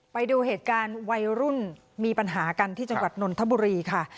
ไปดูเหตุการณ์วัยรุ่นมีปัญหากันที่จังหวัดนนทบุรีค่ะ